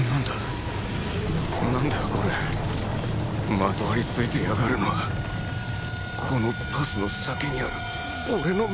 まとわりついてやがるのはこのパスの先にある俺の未来！？